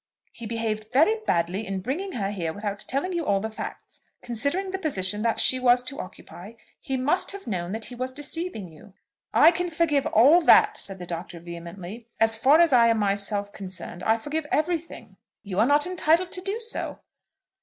"He behaved very badly in bringing her here without telling you all the facts. Considering the position that she was to occupy, he must have known that he was deceiving you." "I can forgive all that," said the Doctor, vehemently. "As far as I myself am concerned, I forgive everything." "You are not entitled to do so."